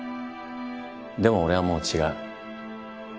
でも俺はもう違う。